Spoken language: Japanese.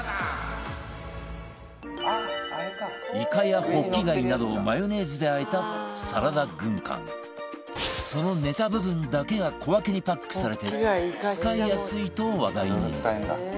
イカやホッキ貝などをマヨネーズで和えたそのネタ部分だけが小分けにパックされて使いやすいと話題に